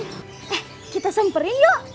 eh kita semperin yuk